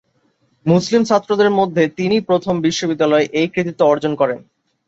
মুসলিম ছাত্রদের মধ্যে তিনিই প্রথম বিশ্ববিদ্যালয়ে এই কৃতিত্ব অর্জন করেন।